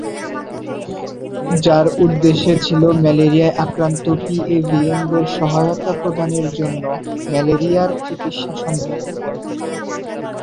যার উদ্দেশ্যে ছিল ম্যালেরিয়ায় আক্রান্ত পিএভিএন-দের সহায়তা প্রদানের জন্য ম্যালেরিয়ার চিকিৎসা সন্ধান।